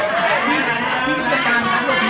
ขอบคุณแม่ก่อนต้องกลางนะครับ